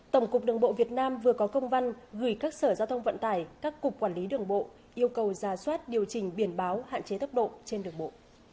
tổng cục đường bộ việt nam vừa có công văn gửi các sở giao thông vận tải các cục quản lý đường bộ yêu cầu ra soát điều chỉnh biển báo hạn chế tốc độ trên đường bộ